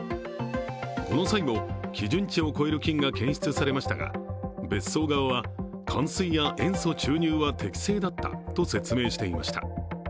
この際も基準値を超える菌が検出されましたが、別荘側は、換水や塩素注入は適正だったと説明していました。